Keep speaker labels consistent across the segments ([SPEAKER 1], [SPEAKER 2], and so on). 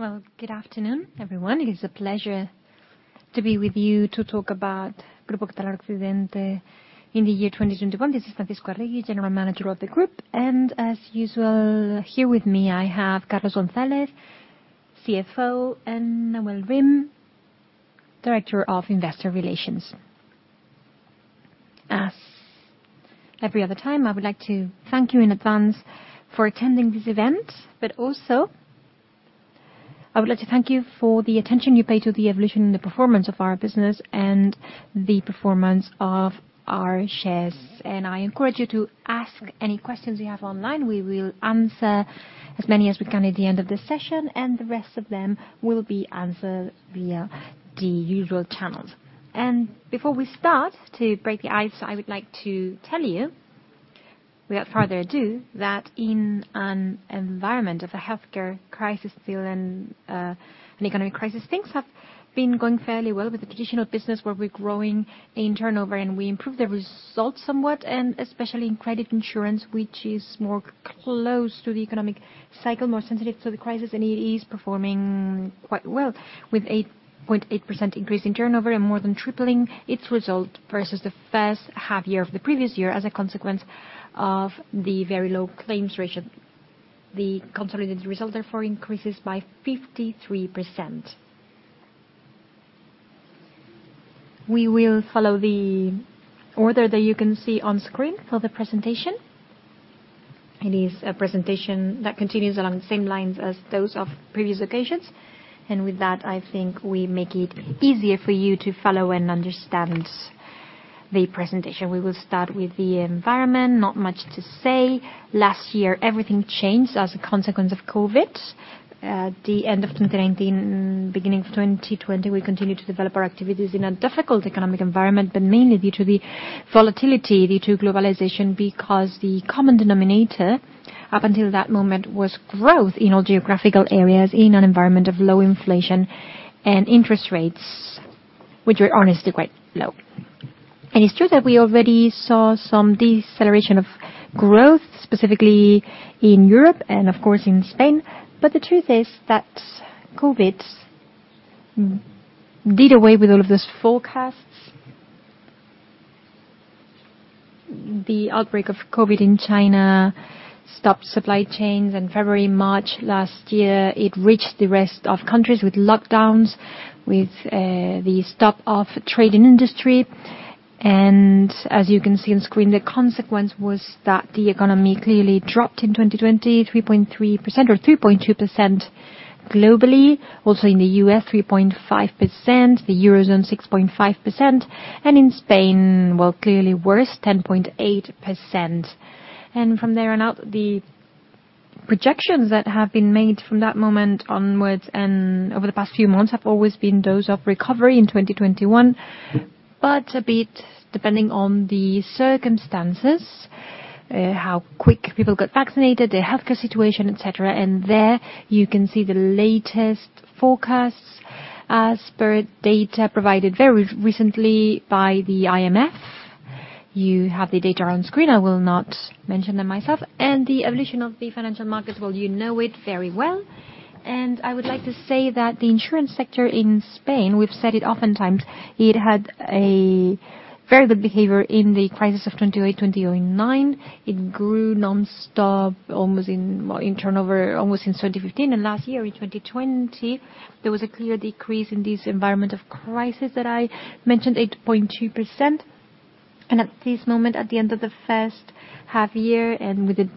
[SPEAKER 1] Well, good afternoon, everyone. It is a pleasure to be with you to talk about Grupo Catalana Occidente in the year 2021. This is Francisco Arregui, Director General of the group, and as usual, here with me, I have Carlos González, CFO, and Nawal Rim, Director of Investor Relations. As every other time, I would like to thank you in advance for attending this event, but also, I would like to thank you for the attention you pay to the evolution and the performance of our business and the performance of our shares. I encourage you to ask any questions you have online. We will answer as many as we can at the end of the session, and the rest of them will be answered via the usual channels. Before we start, to break the ice, I would like to tell you, without further ado, that in an environment of a healthcare crisis still and an economic crisis, things have been going fairly well with the traditional business, where we're growing in turnover and we improved the results somewhat, and especially in credit insurance, which is more close to the economic cycle, more sensitive to the crisis, and it is performing quite well with 8.8% increase in turnover and more than tripling its result versus the first half year of the previous year as a consequence of the very low claims ratio. The consolidated result, therefore, increases by 53%. We will follow the order that you can see on screen for the presentation. It is a presentation that continues along the same lines as those of previous occasions. With that, I think we make it easier for you to follow and understand the presentation. We will start with the environment. Not much to say. Last year, everything changed as a consequence of COVID. At the end of 2019, beginning of 2020, we continued to develop our activities in a difficult economic environment, but mainly due to the volatility, due to globalization. The common denominator up until that moment was growth in all geographical areas in an environment of low inflation and interest rates, which were honestly quite low. It's true that we already saw some deceleration of growth, specifically in Europe and, of course, in Spain. The truth is that COVID did away with all of those forecasts. The outbreak of COVID in China stopped supply chains. In February, March last year, it reached the rest of countries with lockdowns, with the stop of trade and industry. As you can see on screen, the consequence was that the economy clearly dropped in 2020, 3.3% or 3.2% globally. Also in the US., 3.5%, the Eurozone, 6.5%, and in Spain, well, clearly worse, 10.8%. From there on out, the projections that have been made from that moment onwards and over the past few months have always been those of recovery in 2021. A bit depending on the circumstances, how quick people got vaccinated, the healthcare situation, et cetera. There you can see the latest forecasts as per data provided very recently by the IMF. You have the data on screen. I will not mention them myself. The evolution of the financial markets, well, you know it very well. I would like to say that the insurance sector in Spain, we've said it oftentimes, it had a very good behavior in the crisis of 2008-2009. It grew nonstop in turnover almost since 2015. Last year in 2020, there was a clear decrease in this environment of crisis that I mentioned, 8.2%. At this moment, at the end of the first half year, with the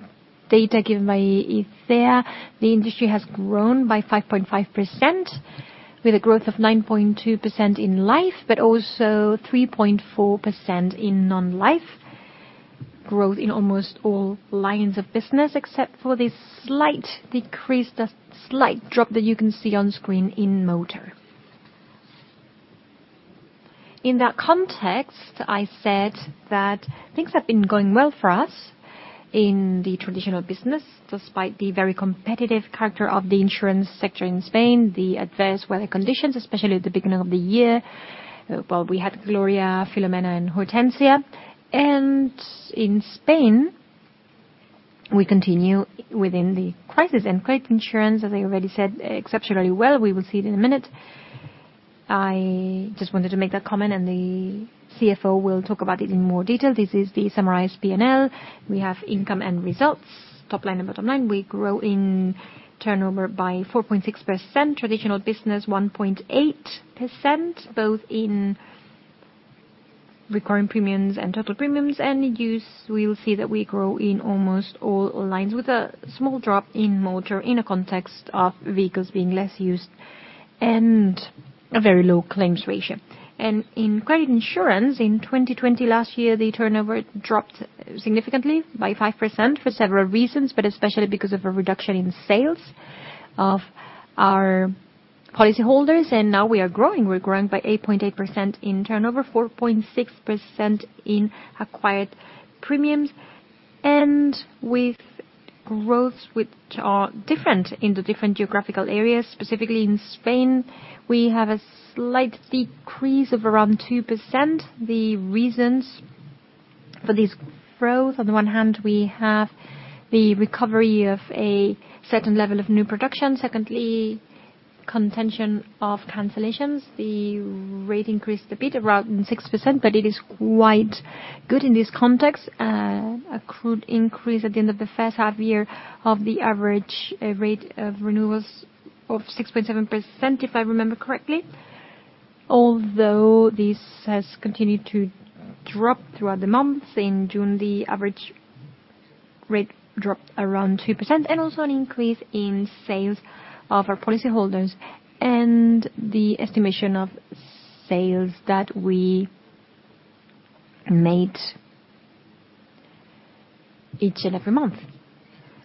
[SPEAKER 1] data given by ICEA, the industry has grown by 5.5%, with a growth of 9.2% in Life, but also 3.4% in non-Life. Growth in almost all lines of business, except for this slight decrease, the slight drop that you can see on screen in Motor. In that context, I said that things have been going well for us in the traditional business, despite the very competitive character of the insurance sector in Spain, the adverse weather conditions, especially at the beginning of the year. Well, we had Gloria, Filomena, and Hortensia. In Spain, we continue within the crisis. Credit insurance, as I already said, exceptionally well. We will see it in a minute. I just wanted to make that comment, and the CFO will talk about it in more detail. This is the summarized P&L. We have income and results, top line and bottom line. We grow in turnover by 4.6%, traditional business, 1.8%, both in recurring premiums and total premiums. You will see that we grow in almost all lines with a small drop in Motor in a context of vehicles being less used and a very low claims ratio. In credit insurance in 2020 last year, the turnover dropped significantly by 5% for several reasons, but especially because of a reduction in sales of our policyholders. Now we are growing. We're growing by 8.8% in turnover, 4.6% in acquired premiums, and with growths which are different in the different geographical areas. Specifically in Spain, we have a slight decrease of around 2%. The reasons for this growth, on the one hand, we have the recovery of a certain level of new production. Secondly, contention of cancellations. The rate increased a bit, around 6%, but it is quite good in this context. A crude increase at the end of the first half year of the average rate of renewals of 6.7%, if I remember correctly. Although this has continued to drop throughout the months. In June, the average rate dropped around 2%. Also an increase in sales of our policyholders and the estimation of sales that we made each and every month.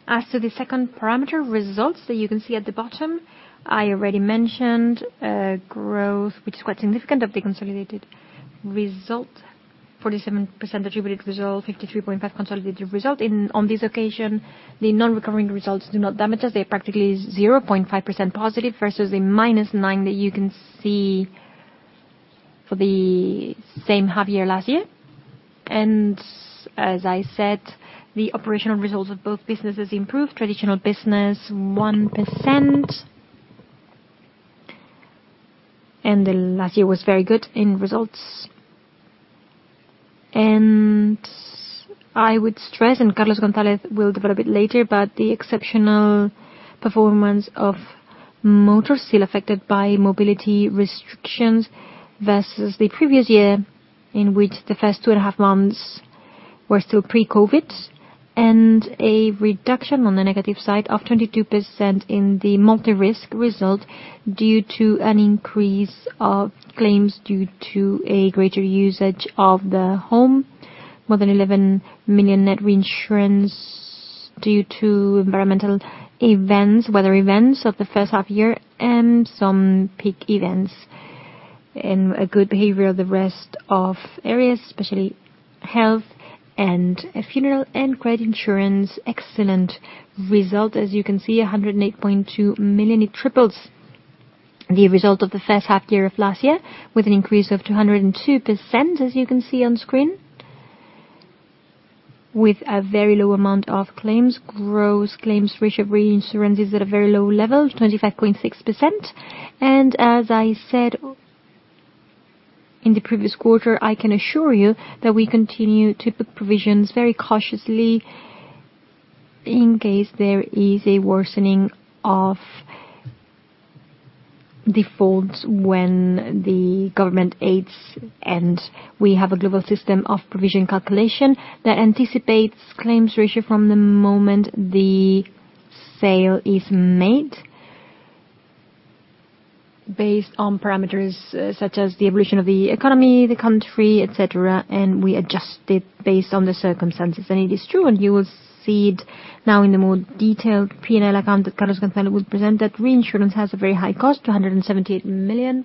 [SPEAKER 1] As to the second parameter results that you can see at the bottom, I already mentioned growth, which is quite significant of the consolidated result, 47% attributed result, 53.5 consolidated result. On this occasion, the non-recurring results do not damage us. They're practically 0.5% positive versus the -9 that you can see for the same half year last year. As I said, the operational results of both businesses improved. Traditional business, 1%. Last year was very good in results. I would stress, Carlos González will develop it later, the exceptional performance of Motor, still affected by mobility restrictions versus the previous year, in which the first two and a half months were still pre-COVID, a reduction on the negative side of 22% in the multi-risk result due to an increase of claims due to a greater usage of the home. More than 11 million net reinsurance due to environmental events, weather events of the first half year and some peak events. A good behavior of the rest of areas, especially Health and Funeral and credit insurance. Excellent result, as you can see, 108.2 million. It triples the result of the first half year of last year, with an increase of 202%, as you can see on screen, with a very low amount of claims. Gross claims ratio of reinsurance is at a very low level, 25.6%. As I said in the previous quarter, I can assure you that we continue to put provisions very cautiously in case there is a worsening of defaults when the government aids. We have a global system of provision calculation that anticipates claims ratio from the moment the sale is made, based on parameters such as the evolution of the economy, the country, et cetera, and we adjust it based on the circumstances. It is true, and you will see it now in the more detailed P&L account that Carlos González will present, that reinsurance has a very high cost, 278 million,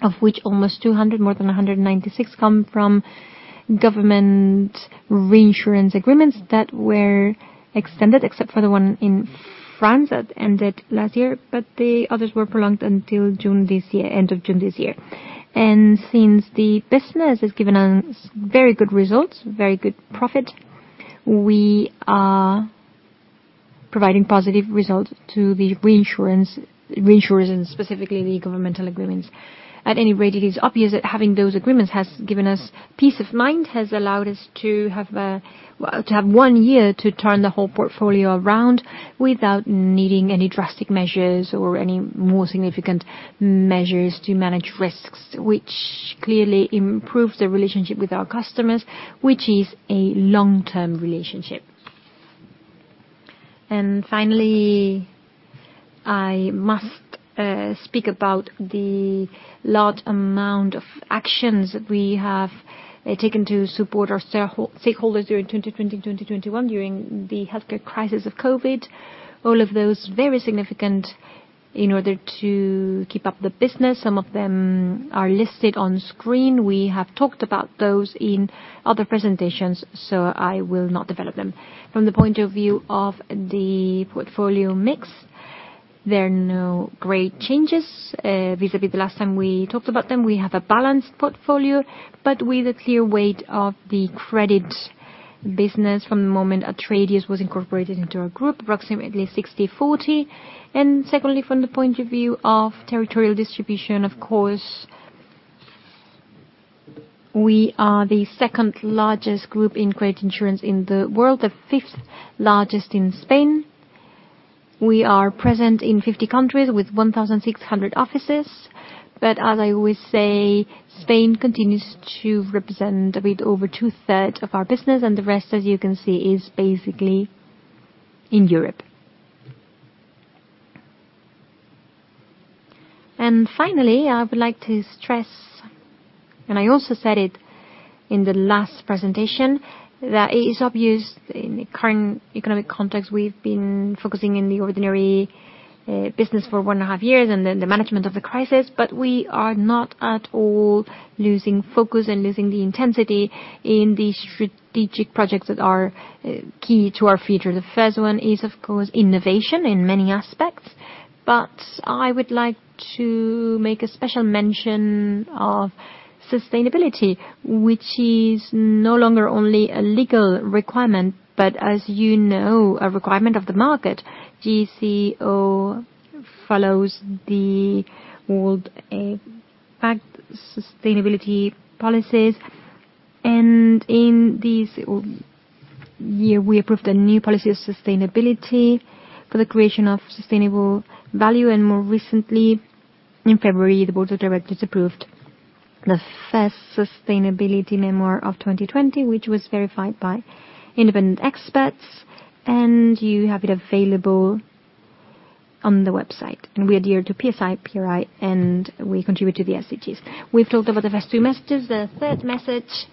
[SPEAKER 1] of which almost 200, more than 196, come from government reinsurance agreements that were extended, except for the one in France that ended last year, but the others were prolonged until end of June this year. Since the business has given us very good results, very good profit, we are providing positive results to the reinsurers, and specifically the governmental agreements. At any rate, it is obvious that having those agreements has given us peace of mind, has allowed us to have one year to turn the whole portfolio around without needing any drastic measures or any more significant measures to manage risks, which clearly improves the relationship with our customers, which is a long-term relationship. Finally, I must speak about the large amount of actions that we have taken to support our stakeholders during 2020-2021, during the healthcare crisis of COVID. All of those very significant in order to keep up the business. Some of them are listed on screen. We have talked about those in other presentations, so I will not develop them. From the point of view of the portfolio mix, there are no great changes vis-à-vis the last time we talked about them. We have a balanced portfolio, but with a clear weight of the credit business from the moment Antares was incorporated into our group, approximately 60/40. Secondly, from the point of view of territorial distribution, of course, we are the second largest group in credit insurance in the world, the fifth largest in Spain. We are present in 50 countries with 1,600 offices. As I always say, Spain continues to represent a bit over two-thirds of our business, and the rest, as you can see, is basically in Europe. Finally, I would like to stress, and I also said it in the last presentation, that it is obvious in the current economic context, we've been focusing in the ordinary business for one and a half years and then the management of the crisis, but we are not at all losing focus and losing the intensity in the strategic projects that are key to our future. The first one is, of course, innovation in many aspects. I would like to make a special mention of sustainability, which is no longer only a legal requirement, but as you know, a requirement of the market. GCO follows the world impact sustainability policies. In this year, we approved a new policy of sustainability for the creation of sustainable value. More recently, in February, the Board of Directors approved the first sustainability memoir of 2020, which was verified by independent experts. You have it available on the website. We adhere to PSI, PRI, and we contribute to the SDGs. We've talked about the first two messages. The third message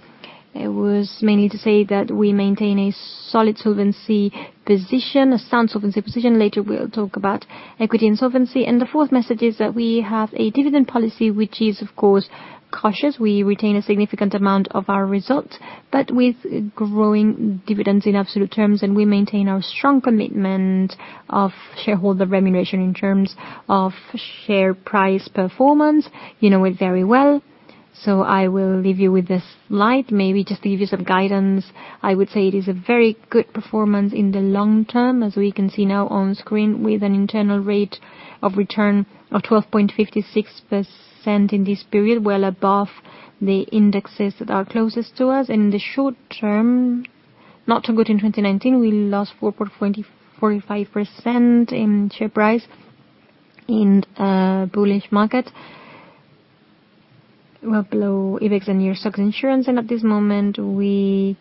[SPEAKER 1] was mainly to say that we maintain a solid solvency position, a sound solvency position. Later, we'll talk about equity and solvency. The fourth message is that we have a dividend policy, which is, of course, cautious. We retain a significant amount of our results, but with growing dividends in absolute terms, and we maintain our strong commitment of shareholder remuneration in terms of share price performance. You know it very well. I will leave you with this slide, maybe just to give you some guidance. I would say it is a very good performance in the long term, as we can see now on screen, with an internal rate of return of 12.56% in this period, well above the indexes that are closest to us. In the short term, not so good in 2019. We lost 4.45% in share price in a bullish market, well below IBEX and EURO STOXX insurance. At this moment, we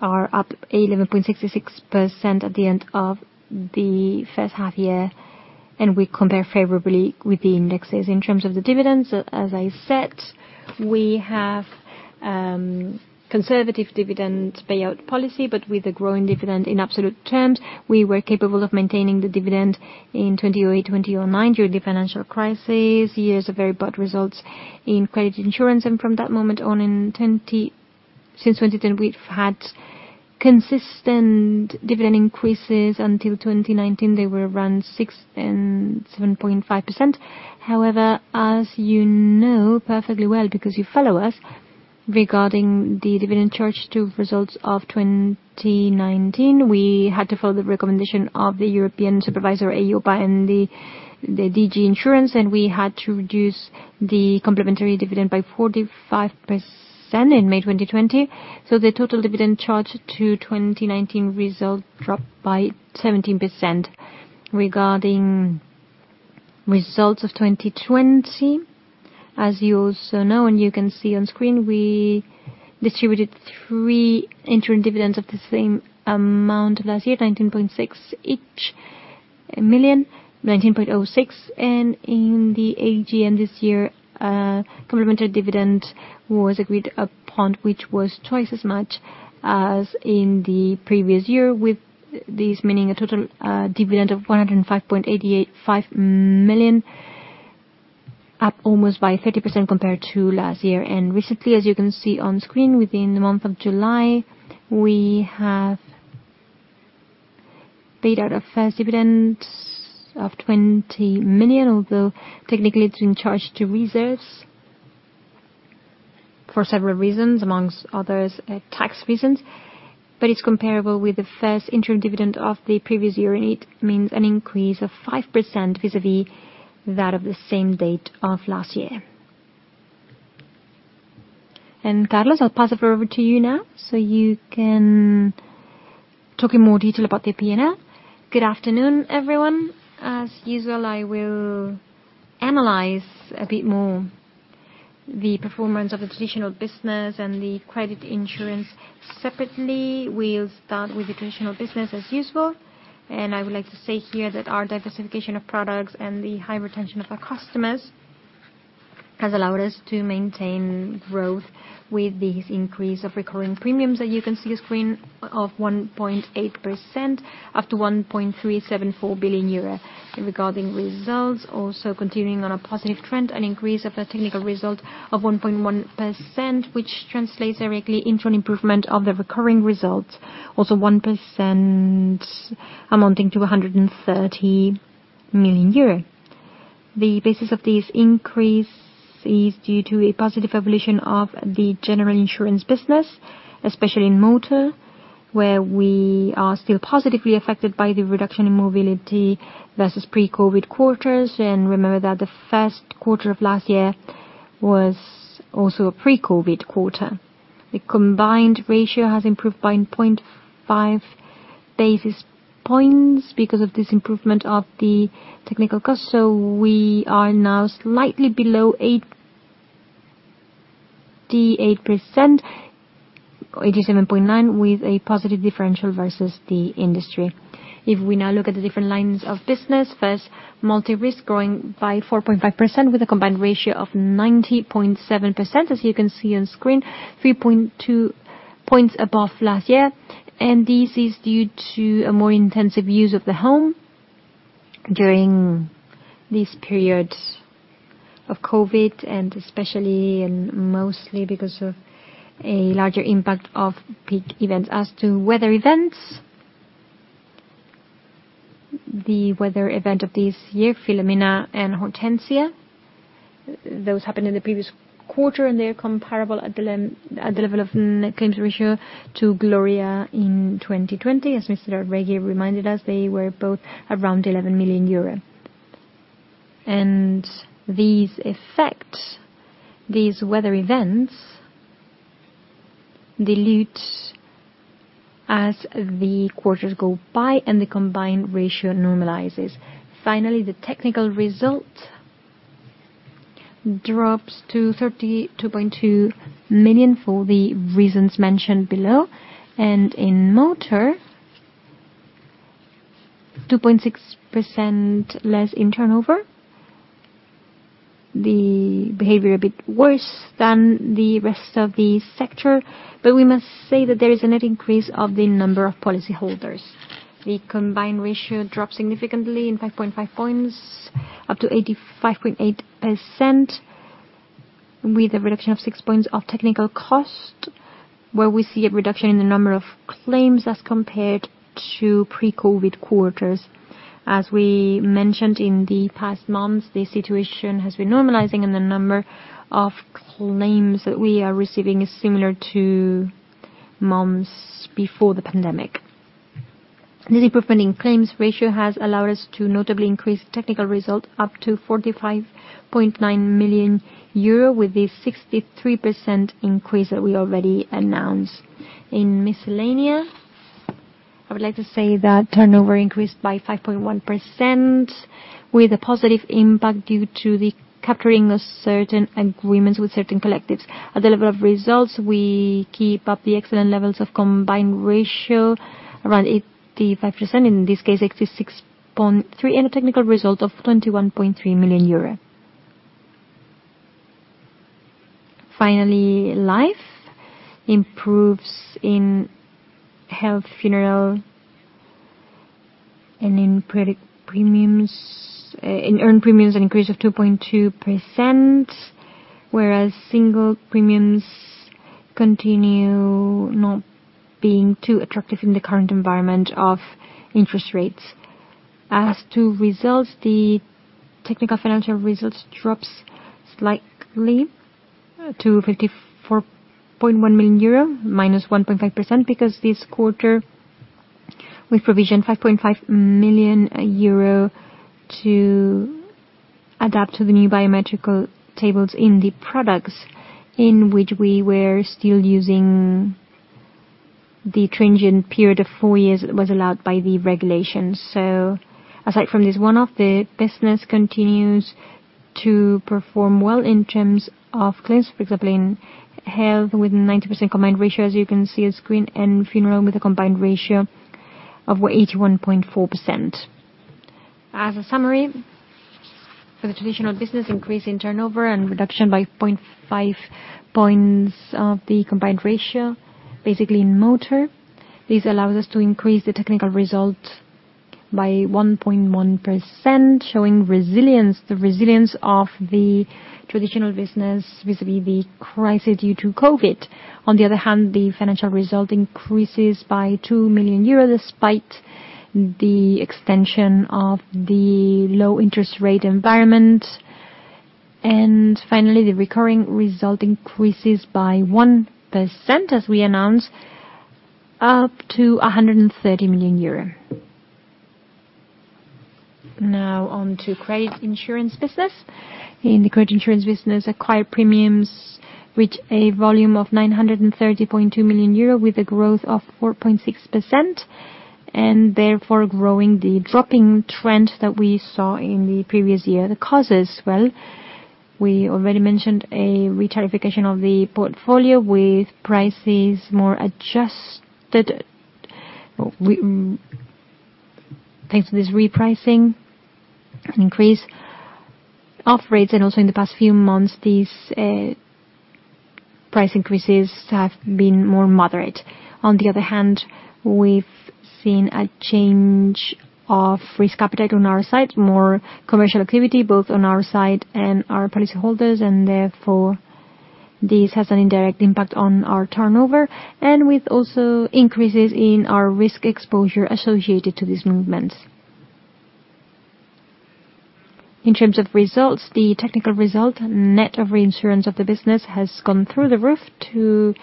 [SPEAKER 1] are up 11.66% at the end of the first half year, and we compare favorably with the indexes. In terms of the dividends, as I said, we have conservative dividend payout policy, but with a growing dividend in absolute terms. We were capable of maintaining the dividend in 2008, 2009 during the financial crisis. Years of very bad results in credit insurance. From that moment on, since 2010, we've had consistent dividend increases. Until 2019, they were around six and 7.5%. As you know perfectly well because you follow us, regarding the dividend charged to results of 2019, we had to follow the recommendation of the European Supervisor EIOPA and the DG Insurance, we had to reduce the complementary dividend by 45% in May 2020. The total dividend charged to 2019 results dropped by 17%. Regarding results of 2020, as you also know and you can see on screen, we distributed three interim dividends of the same amount last year, 19.6 million each, 19.06. In the AGM this year, a complemented dividend was agreed upon, which was twice as much as in the previous year, with this meaning a total dividend of 105.885 million, up almost by 30% compared to last year. Recently, as you can see on screen, within the month of July, we have paid out a first dividend of 20 million, although technically it's been charged to reserves for several reasons, among others, tax reasons. It's comparable with the first interim dividend of the previous year, and it means an increase of 5% vis-à-vis that of the same date of last year. Carlos, I'll pass it over to you now, so you can talk in more detail about the P&L.
[SPEAKER 2] Good afternoon, everyone. As usual, I will analyze a bit more the performance of the traditional business and the credit insurance separately. We'll start with the traditional business as usual. I would like to say here that our diversification of products and the high retention of our customers has allowed us to maintain growth with this increase of recurring premiums that you can see on screen of 1.8% up to 1.374 billion euro. Regarding results, also continuing on a positive trend, an increase of the technical result of 1.1%, which translates directly into an improvement of the recurring results, also 1%, amounting to 130 million euro. The basis of this increase is due to a positive evolution of the general insurance business, especially in Motor, where we are still positively affected by the reduction in mobility versus pre-COVID quarters. Remember that the first quarter of last year was also a pre-COVID quarter. The combined ratio has improved by 0.5 basis points because of this improvement of the technical cost. We are now slightly below 88%, 87.9, with a positive differential versus the industry. If we now look at the different lines of business, first, multi-risk growing by 4.5% with a combined ratio of 90.7%, as you can see on screen, 3.2 points above last year. This is due to a more intensive use of the home during these periods of COVID, and especially and mostly because of a larger impact of peak events. As to weather events, the weather event of this year, Filomena and Hortensia, those happened in the previous quarter, and they are comparable at the level of claims ratio to Gloria in 2020. As Mr. Arregui reminded us, they were both around 11 million euro. These effects, these weather events, dilute as the quarters go by and the combined ratio normalizes. Finally, the technical result drops to 32.2 million for the reasons mentioned below. In Motor, 2.6% less in turnover. The behavior a bit worse than the rest of the sector, but we must say that there is a net increase of the number of policyholders. The combined ratio dropped significantly in 5.5 points, up to 85.8%, with a reduction of 6 points of technical cost, where we see a reduction in the number of claims as compared to pre-COVID quarters. We mentioned in the past months, the situation has been normalizing, and the number of claims that we are receiving is similar to months before the pandemic. This improvement in claims ratio has allowed us to notably increase technical result up to 45.9 million euro, with the 63% increase that we already announced. In Miscellaneous, I would like to say that turnover increased by 5.1%, with a positive impact due to the capturing of certain agreements with certain collectives. At the level of results, we keep up the excellent levels of combined ratio around 85%, in this case, 86.3, and a technical result of 21.3 million euro. Finally, Life improves in Health, Funeral, and in earned premiums, an increase of 2.2%, whereas single premiums continue not being too attractive in the current environment of interest rates. As to results, the technical financial results drops slightly to 54.1 million euro, minus 1.5%, because this quarter we provision 5.5 million euro to adapt to the new biometrical tables in the products in which we were still using the transient period of 4 years that was allowed by the regulations. Aside from this one-off, the business continues to perform well in terms of claims. For example, in Health, with 90% combined ratio, as you can see on screen, and Funeral with a combined ratio of 81.4%. As a summary, for the traditional business increase in turnover and reduction by 0.5 points of the combined ratio, basically in Motor. This allows us to increase the technical result by 1.1%, showing the resilience of the traditional business vis-a-vis the crisis due to COVID. On the other hand, the financial result increases by 2 million euros, despite the extension of the low interest rate environment. Finally, the recurring result increases by 1%, as we announced, up to EUR 130 million. Now on to credit insurance business. In the credit insurance business, acquired premiums reach a volume of 930.2 million euro with a growth of 4.6%, therefore growing the dropping trend that we saw in the previous year. The causes, well, we already mentioned a re-tarification of the portfolio with prices more adjusted. Thanks to this repricing, an increase of rates, and also in the past few months, these price increases have been more moderate. On the other hand, we've seen a change of risk appetite on our side, more commercial activity, both on our side and our policyholders, and therefore this has an indirect impact on our turnover, and with also increases in our risk exposure associated to these movements. In terms of results, the technical result net of reinsurance of the business has gone through the roof to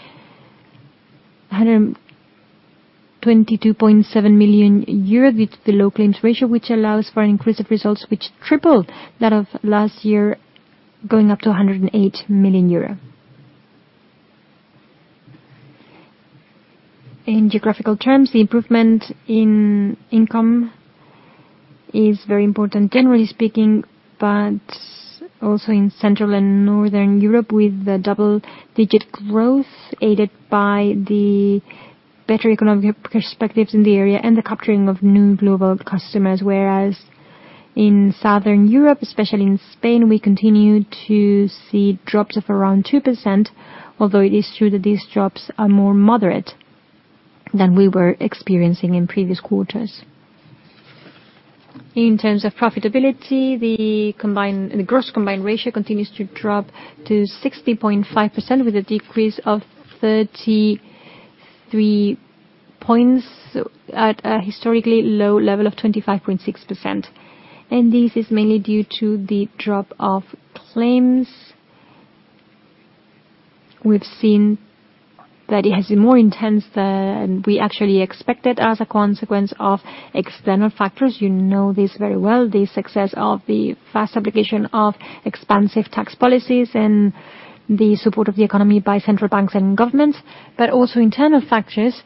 [SPEAKER 2] 122.7 million euros due to the low claims ratio, which allows for an increase of results which tripled that of last year, going up to 108 million euro. In geographical terms, the improvement in income is very important, generally speaking, but also in Central and Northern Europe, with the double-digit growth aided by the better economic perspectives in the area and the capturing of new global customers. Whereas in Southern Europe, especially in Spain, we continue to see drops of around 2%, although it is true that these drops are more moderate than we were experiencing in previous quarters. In terms of profitability, the gross combined ratio continues to drop to 60.5% with a decrease of 33 points at a historically low level of 25.6%. This is mainly due to the drop of claims. We've seen that it has been more intense than we actually expected as a consequence of external factors. You know this very well, the success of the fast application of expansive tax policies and the support of the economy by central banks and governments. Also internal factors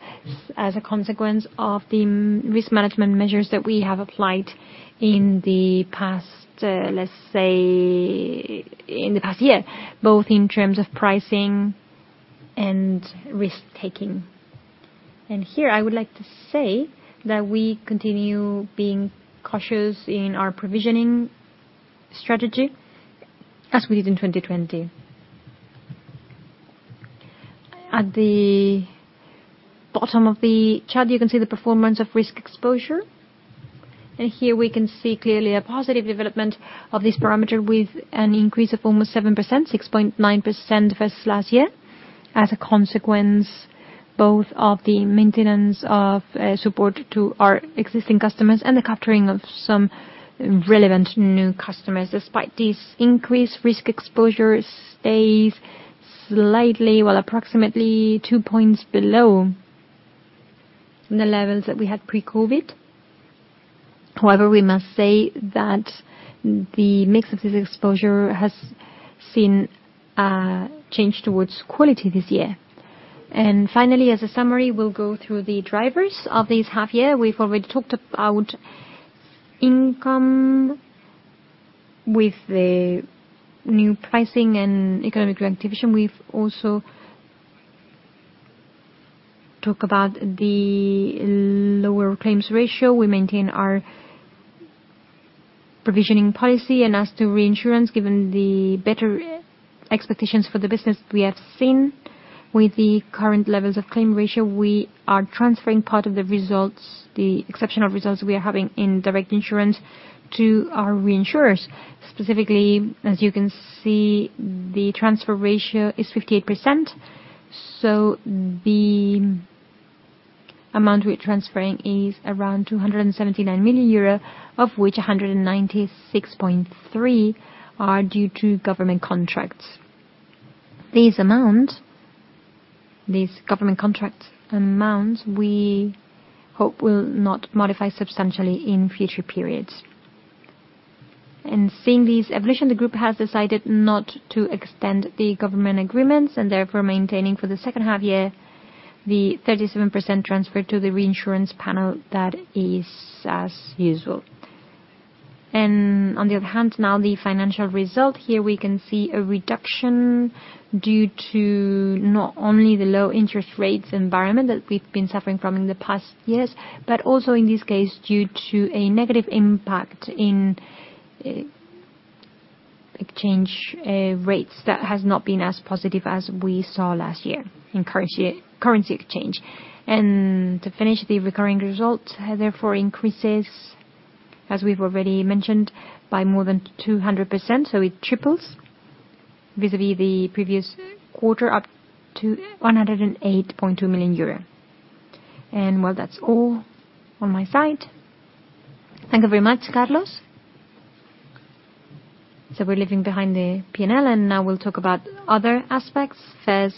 [SPEAKER 2] as a consequence of the risk management measures that we have applied in the past, let's say, in the past year, both in terms of pricing and risk-taking. Here I would like to say that we continue being cautious in our provisioning strategy as we did in 2020. At the bottom of the chart, you can see the performance of risk exposure. Here we can see clearly a positive development of this parameter with an increase of almost 7%, 6.9% versus last year, as a consequence, both of the maintenance of support to our existing customers and the capturing of some relevant new customers. Despite this increase, risk exposure stays slightly, well, approximately two points below the levels that we had pre-COVID. However, we must say that the mix of this exposure has seen a change towards quality this year. Finally, as a summary, we'll go through the drivers of this half year. We've already talked about income with the new pricing and economic reactivation. We've also talked about the lower claims ratio. We maintain our provisioning policy. As to reinsurance, given the better expectations for the business we have seen with the current levels of claims ratio, we are transferring part of the results, the exceptional results we are having in direct insurance to our reinsurers. Specifically, as you can see, the transfer ratio is 58%, so the amount we're transferring is around 279 million euro, of which 196.3 are due to government contracts. These government contract amounts we hope will not modify substantially in future periods. Seeing this evolution, the group has decided not to extend the government agreements and therefore maintaining for the second half year the 37% transfer to the reinsurance panel that is as usual. On the other hand, now the financial result. Here we can see a reduction due to not only the low interest rates environment that we've been suffering from in the past years, but also in this case, due to a negative impact in exchange rates that has not been as positive as we saw last year in currency exchange. To finish, the recurring result, therefore, increases, as we've already mentioned, by more than 200%, so it triples vis-à-vis the previous quarter, up to 108.2 million euro. Well, that's all on my side.
[SPEAKER 1] Thank you very much, Carlos. We're leaving behind the P&L, and now we'll talk about other aspects. First,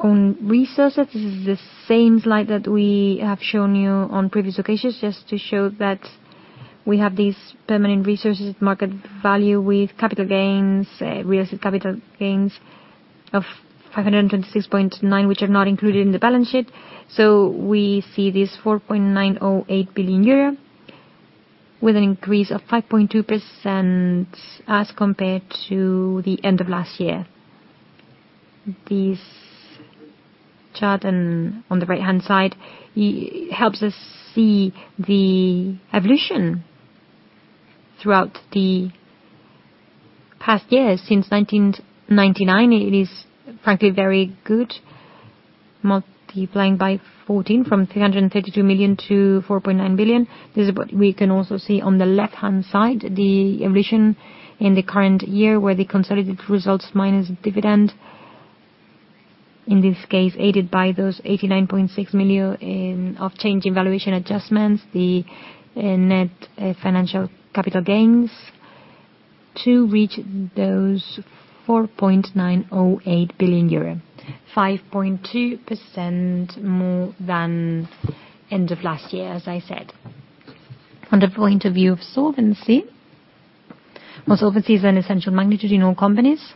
[SPEAKER 1] on resources. This is the same slide that we have shown you on previous occasions, just to show that we have these permanent resources at market value with capital gains, real capital gains of 526.9, which are not included in the balance sheet. We see this 4.908 billion euro with an increase of 5.2% as compared to the end of last year. This chart on the right-hand side helps us see the evolution throughout the past years. Since 1999, it is frankly very good, multiplying by 14 from 332 million to 4.9 billion. This is what we can also see on the left-hand side, the evolution in the current year, where the consolidated results minus dividend, in this case, aided by those 89.6 million of change in valuation adjustments, the net financial capital gains, to reach those 4.908 billion euro, 5.2% more than end of last year, as I said. On the point of view of solvency. Well, solvency is an essential magnitude in all companies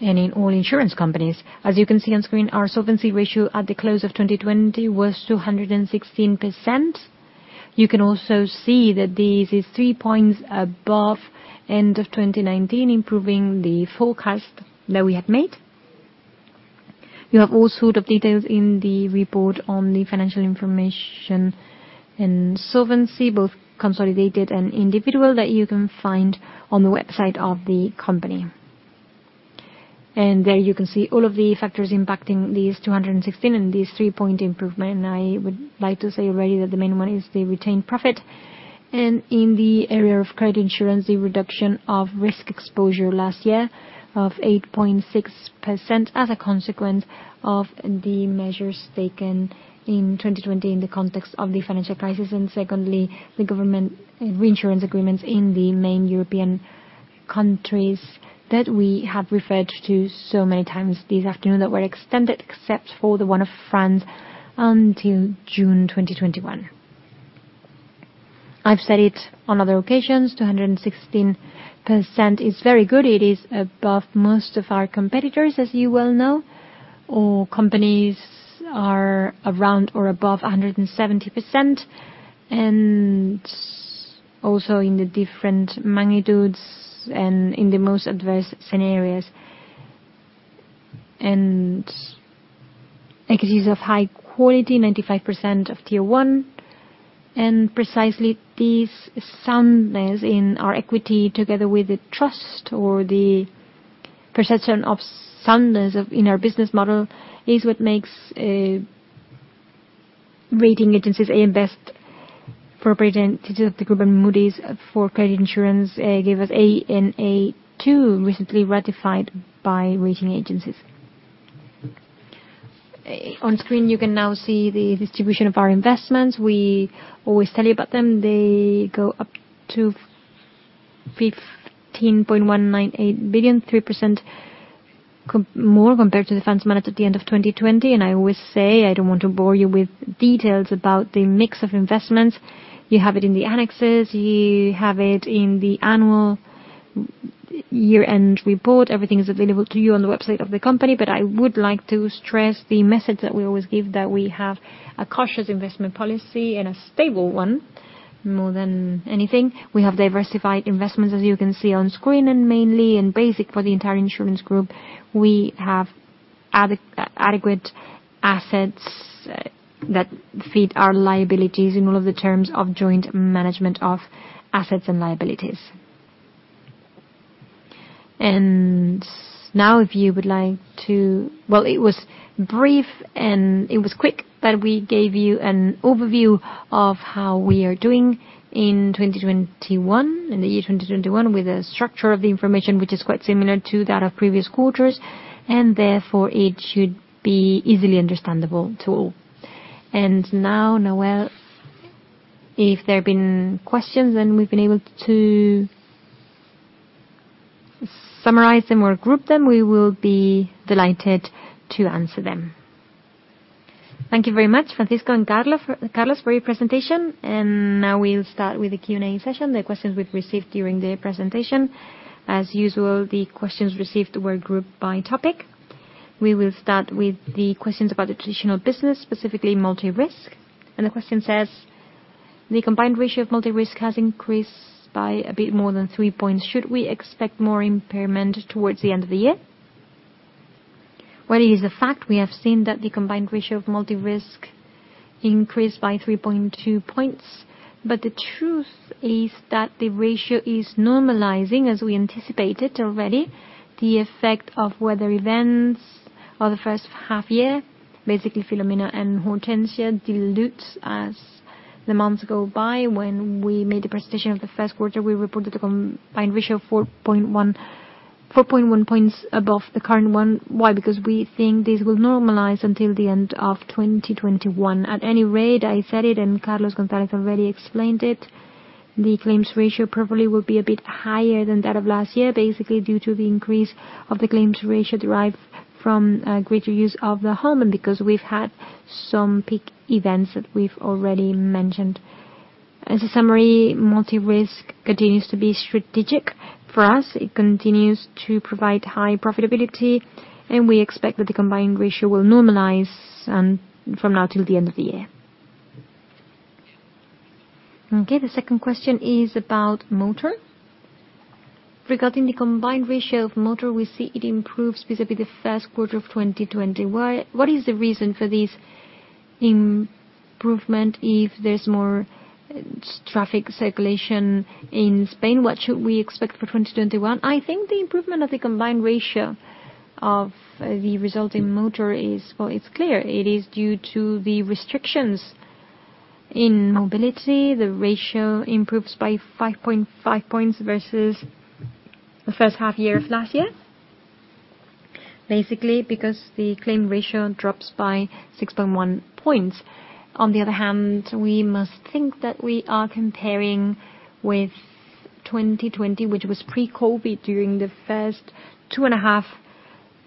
[SPEAKER 1] and in all insurance companies. As you can see on screen, our solvency ratio at the close of 2020 was 216%. You can also see that this is three points above end of 2019, improving the forecast that we had made. You have all sort of details in the report on the financial information and solvency, both consolidated and individual, that you can find on the website of the company. There you can see all of the factors impacting these 216 and these 3-point improvement. I would like to say already that the main one is the retained profit. In the area of credit insurance, the reduction of risk exposure last year of 8.6% as a consequence of the measures taken in 2020 in the context of the financial crisis. Secondly, the government reinsurance agreements in the main European countries that we have referred to so many times this afternoon that were extended, except for the one of France, until June 2021. I've said it on other occasions, 216% is very good. It is above most of our competitors, as you well know. All companies are around or above 170%, and also in the different magnitudes and in the most adverse scenarios. Equities of high quality, 95% of Tier 1. Precisely, this soundness in our equity, together with the trust or the perception of soundness in our business model, is what makes rating agencies AM Best for Britain, D of the group, and Moody's for credit insurance, gave us A and A2 recently ratified by rating agencies. On screen, you can now see the distribution of our investments. We always tell you about them. They go up to 15.198 billion, 3% more compared to the funds managed at the end of 2020. I always say, I don't want to bore you with details about the mix of investments. You have it in the annexes. You have it in the annual year-end report. Everything is available to you on the website of the company. I would like to stress the message that we always give, that we have a cautious investment policy and a stable one more than anything. We have diversified investments, as you can see on screen, and mainly and basic for the entire insurance group. We have adequate assets that fit our liabilities in all of the terms of joint management of assets and liabilities. If you would like to Well, it was brief and it was quick, but we gave you an overview of how we are doing in 2021, in the year 2021, with a structure of the information which is quite similar to that of previous quarters, and therefore it should be easily understandable to all. Nawal, if there have been questions and we've been able to summarize them or group them, we will be delighted to answer them.
[SPEAKER 3] Thank you very much, Francisco and Carlos, for your presentation. We'll start with the Q&A session, the questions we've received during the presentation. As usual, the questions received were grouped by topic. We will start with the questions about the traditional business, specifically multi-risk. The question says, "The combined ratio of multi-risk has increased by a bit more than three points. Should we expect more impairment towards the end of the year?"
[SPEAKER 1] Well, it is a fact. We have seen that the combined ratio of multi-risk increased by 3.2 points, but the truth is that the ratio is normalizing as we anticipated already. The effect of weather events or the first half-year, basically Filomena and Hortensia, dilutes as the months go by. When we made the presentation of the first quarter, we reported a combined ratio 4.1 points above the current one. Why? We think this will normalize until the end of 2021. At any rate, I said it and Carlos González already explained it, the claims ratio probably will be a bit higher than that of last year, basically due to the increase of the claims ratio derived from greater use of the home and because we've had some peak events that we've already mentioned. As a summary, multi-risk continues to be strategic for us. It continues to provide high profitability, and we expect that the combined ratio will normalize from now till the end of the year.
[SPEAKER 3] The second question is about Motor. "Regarding the combined ratio of Motor, we see it improves vis-à-vis the first quarter of 2020. What is the reason for this improvement if there's more traffic circulation in Spain? What should we expect for 2021?"
[SPEAKER 1] The improvement of the combined ratio of the resulting Motor is clear. It is due to the restrictions in mobility. The ratio improves by 5.5 points versus the first half year of last year. Basically, because the claims ratio drops by 6.1 points. On the other hand, we must think that we are comparing with 2020, which was pre-COVID during the first two and a half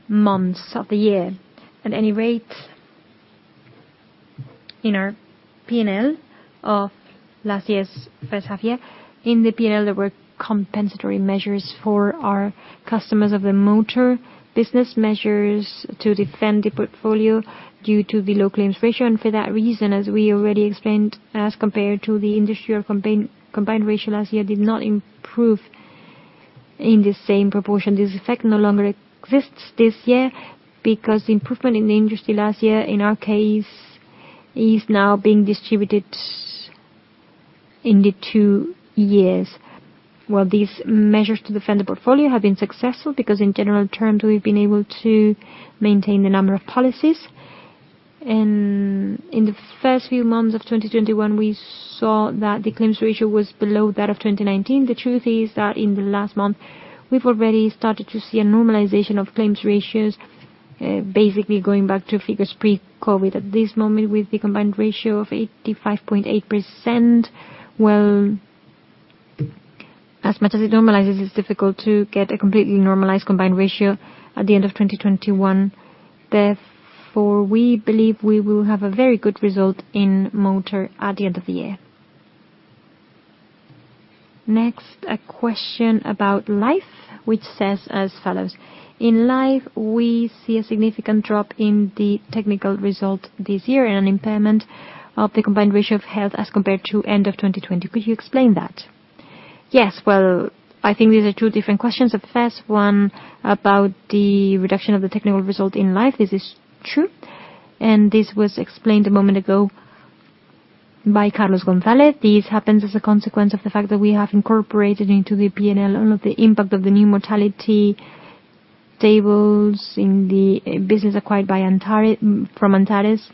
[SPEAKER 1] months of the year. At any rate, in our P&L of last year's first half year, in the P&L, there were compensatory measures for our customers of the Motor business, measures to defend the portfolio due to the low claims ratio. For that reason, as we already explained, as compared to the industry, our combined ratio last year, did not improve in the same proportion. This effect no longer exists this year because the improvement in the industry last year, in our case, is now being distributed in the two years. Well, these measures to defend the portfolio have been successful because, in general terms, we've been able to maintain the number of policies. In the first few months of 2021, we saw that the claims ratio was below that of 2019. The truth is that in the last month, we've already started to see a normalization of claims ratios, basically going back to figures pre-COVID. At this moment, with the combined ratio of 85.8%, well, as much as it normalizes, it's difficult to get a completely normalized combined ratio at the end of 2021. We believe we will have a very good result in Motor at the end of the year.
[SPEAKER 3] A question about Life, which says as follows: In Life, we see a significant drop in the technical result this year and an impairment of the combined ratio of Health as compared to end of 2020. Could you explain that?
[SPEAKER 1] Yes. Well, I think these are two different questions. The first one about the reduction of the technical result in Life. This is true, this was explained a moment ago by Carlos González. This happens as a consequence of the fact that we have incorporated into the P&L all of the impact of the new mortality tables in the business acquired from Antares.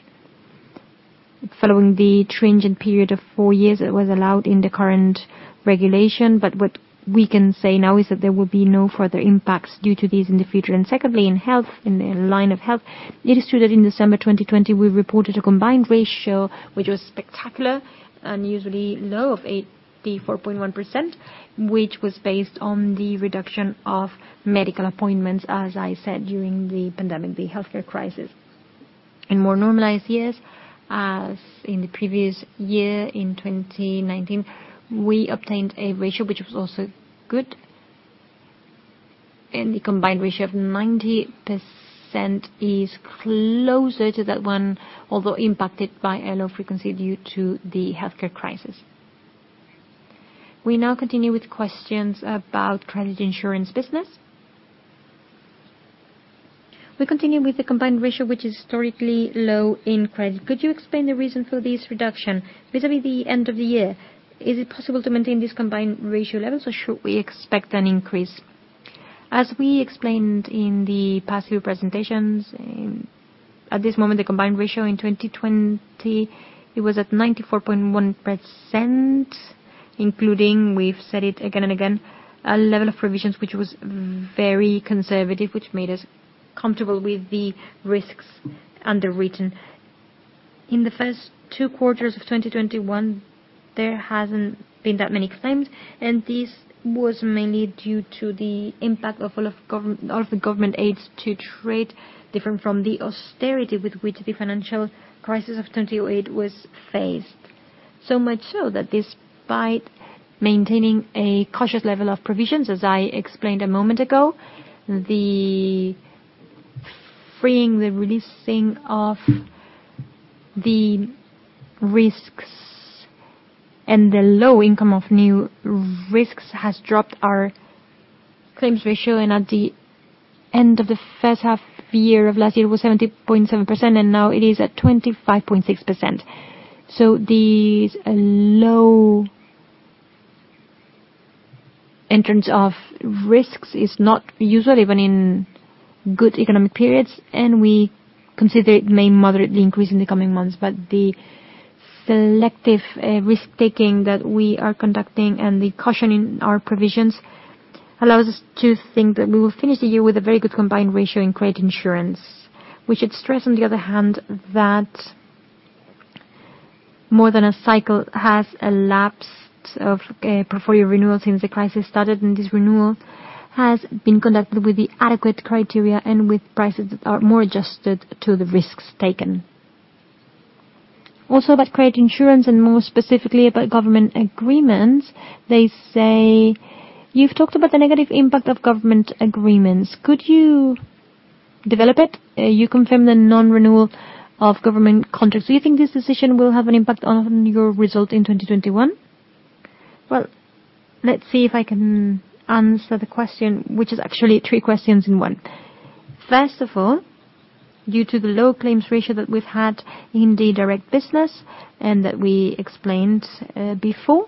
[SPEAKER 1] Following the transient period of four years that was allowed in the current regulation. What we can say now is that there will be no further impacts due to these in the future. Secondly, in Health, in line of Health, it is true that in December 2020, we reported a combined ratio, which was spectacular, unusually low of 84.1%, which was based on the reduction of medical appointments, as I said, during the pandemic, the healthcare crisis. In more normalized years, as in the previous year, in 2019, we obtained a ratio which was also good. The combined ratio of 90% is closer to that one, although impacted by a low frequency due to the healthcare crisis.
[SPEAKER 3] We now continue with questions about credit insurance business. We continue with the combined ratio, which is historically low in credit. Could you explain the reason for this reduction vis-à-vis the end of the year? Is it possible to maintain this combined ratio levels, or should we expect an increase?
[SPEAKER 1] As we explained in the past few presentations, at this moment, the combined ratio in 2020, it was at 94.1%, including, we've said it again and again, a level of provisions which was very conservative, which made us comfortable with the risks underwritten. In the first two quarters of 2021, there hasn't been that many claims. This was mainly due to the impact of all of the government aids to trade different from the austerity with which the financial crisis of 2008 was faced. Much so that despite maintaining a cautious level of provisions, as I explained a moment ago, the freeing, the releasing of the risks and the low income of new risks has dropped our claims ratio, and at the end of the first half year of last year, it was 70.7%, and now it is at 25.6%. This low in terms of risks is not usual even in good economic periods, and we consider it may moderately increase in the coming months. The selective risk-taking that we are conducting and the caution in our provisions allows us to think that we will finish the year with a very good combined ratio in credit insurance. We should stress, on the other hand, that more than a cycle has elapsed of portfolio renewal since the crisis started, and this renewal has been conducted with the adequate criteria and with prices that are more adjusted to the risks taken.
[SPEAKER 3] Also about credit insurance and more specifically about government agreements, they say: You've talked about the negative impact of government agreements. Could you develop it? You confirmed the non-renewal of government contracts. Do you think this decision will have an impact on your result in 2021?
[SPEAKER 1] Well, let's see if I can answer the question, which is actually three questions in one. First of all, due to the low claims ratio that we've had in the direct business and that we explained before,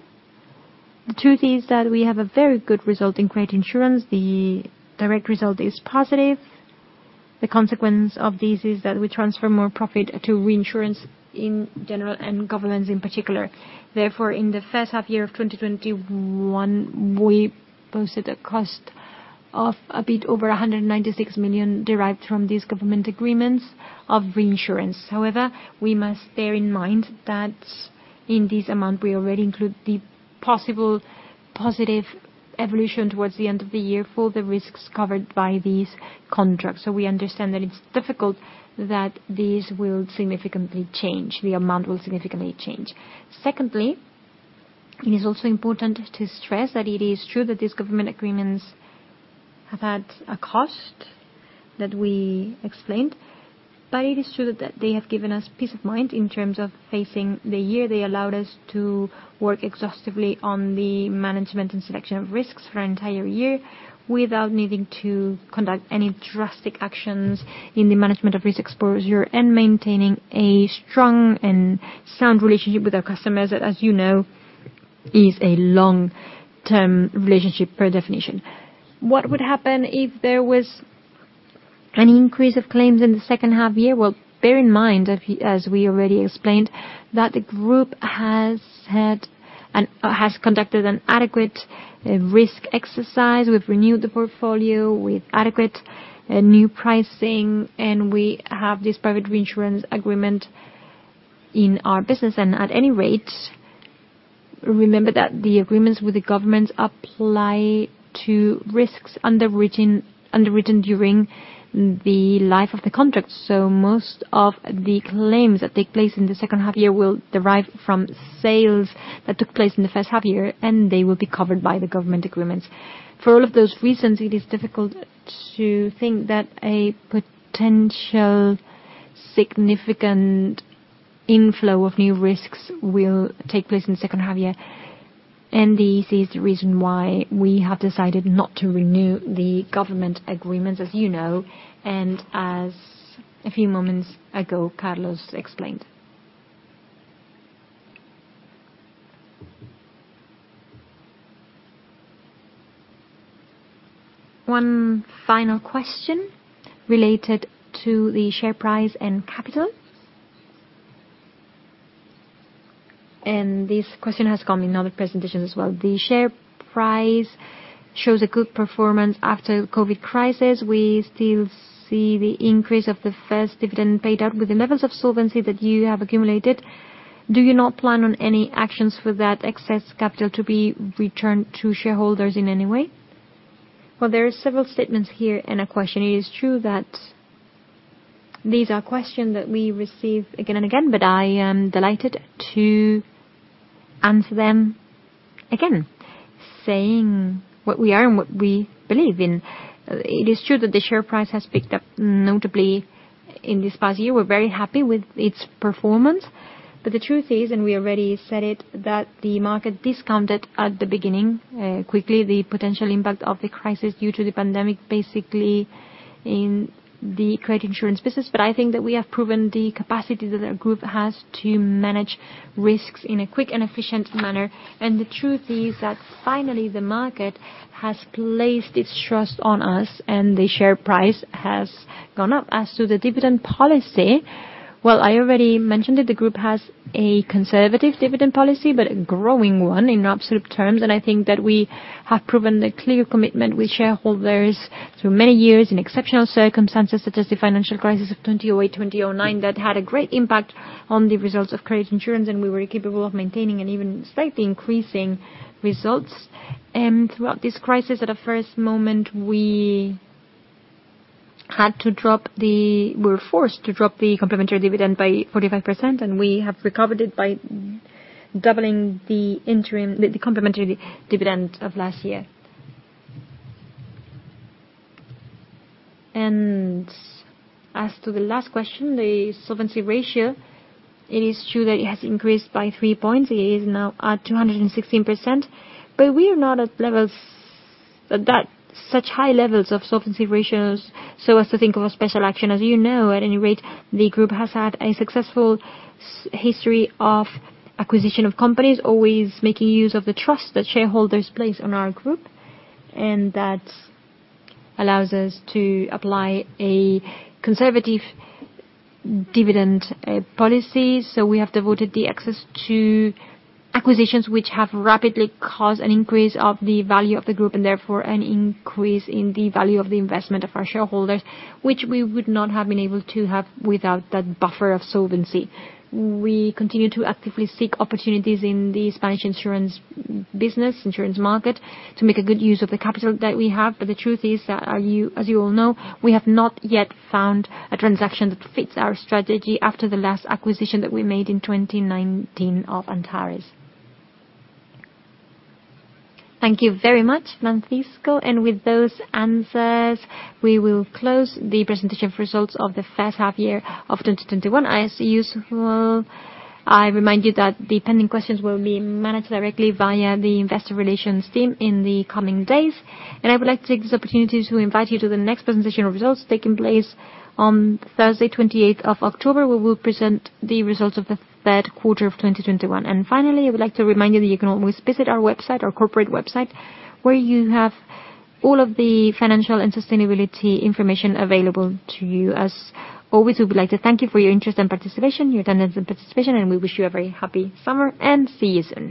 [SPEAKER 1] the truth is that we have a very good result in credit insurance. The direct result is positive. Therefore, in the first half year of 2021, we posted a cost of a bit over 196 million derived from these government agreements of reinsurance. We must bear in mind that in this amount, we already include the possible positive evolution towards the end of the year for the risks covered by these contracts. We understand that it's difficult that these will significantly change. The amount will significantly change. It is also important to stress that it is true that these government agreements have had a cost that we explained, but it is true that they have given us peace of mind in terms of facing the year. They allowed us to work exhaustively on the management and selection of risks for an entire year without needing to conduct any drastic actions in the management of risk exposure and maintaining a strong and sound relationship with our customers. As you know, it's a long-term relationship per definition. What would happen if there was an increase of claims in the second half year? Bear in mind, as we already explained, that the group has conducted an adequate risk exercise. We've renewed the portfolio with adequate new pricing, and we have this private reinsurance agreement in our business. At any rate, remember that the agreements with the government apply to risks underwritten during the life of the contract. Most of the claims that take place in the second half year will derive from sales that took place in the first half year, and they will be covered by the government agreements. For all of those reasons, it is difficult to think that a potential significant inflow of new risks will take place in the second half year, and this is the reason why we have decided not to renew the government agreements, as you know, and as a few moments ago, Carlos explained.
[SPEAKER 3] One final question related to the share price and capital. This question has come in other presentations as well. The share price shows a good performance after COVID crisis. We still see the increase of the first dividend paid out. With the levels of solvency that you have accumulated, do you not plan on any actions for that excess capital to be returned to shareholders in any way?
[SPEAKER 1] There are several statements here in a question. It is true that these are questions that we receive again and again. I am delighted to answer them again, saying what we are and what we believe in. It is true that the share price has picked up notably in this past year. We're very happy with its performance. The truth is, and we already said it, that the market discounted at the beginning, quickly, the potential impact of the crisis due to the pandemic, basically in the credit insurance business. I think that we have proven the capacity that our group has to manage risks in a quick and efficient manner. The truth is that finally, the market has placed its trust on us, and the share price has gone up. As to the dividend policy, well, I already mentioned that the group has a conservative dividend policy, but a growing one in absolute terms. I think that we have proven the clear commitment with shareholders through many years in exceptional circumstances, such as the financial crisis of 2008, 2009. That had a great impact on the results of credit insurance, and we were capable of maintaining and even slightly increasing results. Throughout this crisis, at a first moment, we were forced to drop the complimentary dividend by 45%, and we have recovered it by doubling the complimentary dividend of last year. As to the last question, the solvency ratio, it is true that it has increased by three points. It is now at 216%. We are not at such high levels of solvency ratios, so as to think of a special action. As you know, at any rate, the group has had a successful history of acquisition of companies, always making use of the trust that shareholders place on our group, and that allows us to apply a conservative dividend policy. We have devoted the excess to acquisitions which have rapidly caused an increase of the value of the group, and therefore an increase in the value of the investment of our shareholders, which we would not have been able to have without that buffer of solvency. We continue to actively seek opportunities in the Spanish insurance business, insurance market, to make a good use of the capital that we have. The truth is that, as you all know, we have not yet found a transaction that fits our strategy after the last acquisition that we made in 2019 of Antares.
[SPEAKER 3] Thank you very much, Francisco. With those answers, we will close the presentation of results of the first half year of 2021. As usual, I remind you that the pending questions will be managed directly via the investor relations team in the coming days. I would like to take this opportunity to invite you to the next presentation of results taking place on Thursday, 28th of October. We will present the results of the third quarter of 2021. Finally, I would like to remind you that you can always visit our website, our corporate website, where you have all of the financial and sustainability information available to you. As always, we would like to thank you for your interest and participation, your attendance and participation, and we wish you a very happy summer, and see you soon.